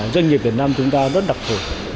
việt nam chúng ta rất đặc thủ